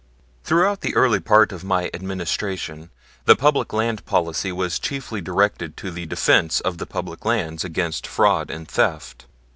Throughout the early part of my Administration the public land policy was chiefly directed to the defense of the public lands against fraud and theft.